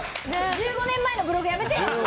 １５年前のブログ、やめてよ！